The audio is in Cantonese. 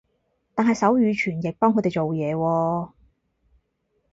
但係手語傳譯幫佢哋做嘢喎